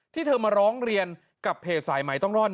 ที่เธอมาเรียนกับทางสายไม้ต้องรอด